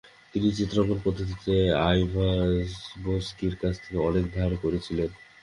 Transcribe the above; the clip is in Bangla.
তিনি চিত্রাঙ্কনের পদ্ধতিতে আইভাজভস্কির কাছ থেকে অনেক ধার করেছিলেন।